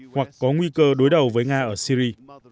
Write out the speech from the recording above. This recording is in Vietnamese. hoặc có nguy cơ đối đầu với nga ở syri